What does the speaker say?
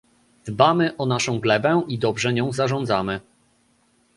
Dbamy o naszą glebę i dobrze nią zarządzamy